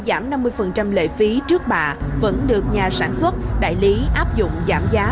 giảm năm mươi lệ phí trước bạ vẫn được nhà sản xuất đại lý áp dụng giảm giá